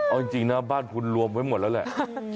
เอาจริงนะบ้านคุณรวมไว้หมดแล้วแหละ